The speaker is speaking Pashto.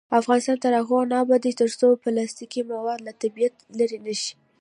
افغانستان تر هغو نه ابادیږي، ترڅو پلاستیکي مواد له طبیعت لرې نشي.